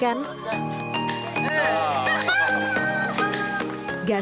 sayang untuk dilewatkan